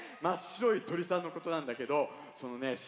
まっしろいとりさんのことなんだけどそのね